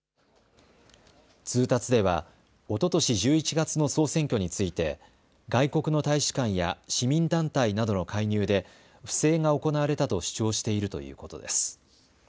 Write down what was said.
通達ではおととし１１月の総選挙について外国の大使館や市民団体などの介入で不正が行われたと主張しているということです。